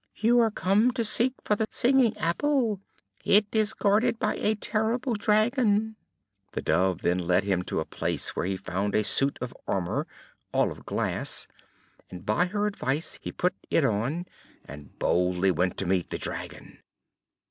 You are come to seek for the singing apple: it is guarded by a terrible dragon." The Dove then led him to a place where he found a suit of armour, all of glass: and by her advice he put it on, and boldly went to meet the dragon.